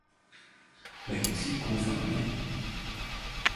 明知故犯呢？